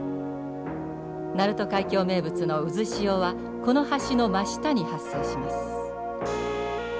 鳴門海峡名物の渦潮はこの橋の真下に発生します。